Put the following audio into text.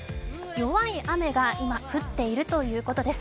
弱い雨が今、降っているということです。